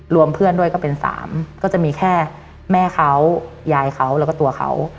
เพื่อนด้วยก็เป็น๓ก็จะมีแค่แม่เขายายเขาแล้วก็ตัวเขา